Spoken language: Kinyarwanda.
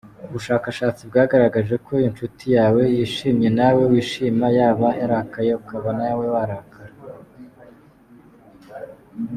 Ubushakashatsi bwagaragaje ko iyo inshuti yawe yishimye nawe wishima, yaba yarakaye ukaba nawe warakara.